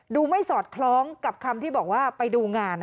ดูไม่สอดคล้องกับคำที่บอกว่าไปดูงาน